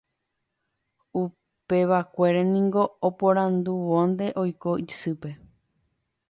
Upevakuére niko oporandúvonte oiko isýpe.